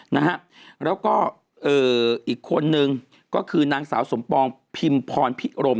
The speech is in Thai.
นะฮะแล้วก็เอ่ออีกคนนึงก็คือนางสาวสมปองพิมพรพิรม